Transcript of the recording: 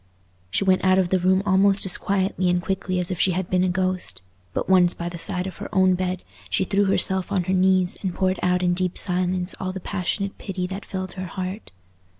She went out of the room almost as quietly and quickly as if she had been a ghost; but once by the side of her own bed, she threw herself on her knees and poured out in deep silence all the passionate pity that filled her heart.